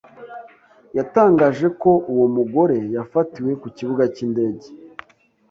yatangaje ko uwo mugore yafatiwe ku kibuga cy’indege